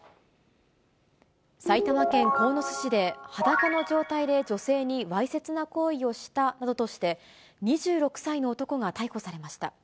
埼玉県鴻巣市で、裸の状態で女性にわいせつな行為をしたなどとして、２６歳の男が逮捕されました。